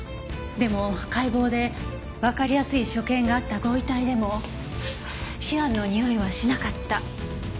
でも解剖でわかりやすい所見があったご遺体でもシアンのにおいはしなかった。